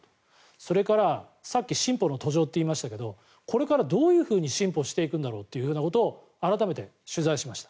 それから、さっき進歩の途上って言いましたけどこれからどういうふうに進歩していくんだろうってことを改めて取材しました。